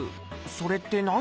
それって何？